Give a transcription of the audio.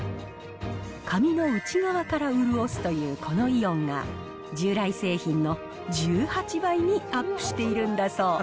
髪の内側から潤すというこのイオンが、従来製品の１８倍にアップしているんだそう。